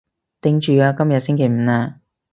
頂住啊，今日星期五喇